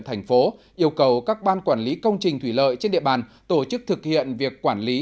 thành phố yêu cầu các ban quản lý công trình thủy lợi trên địa bàn tổ chức thực hiện việc quản lý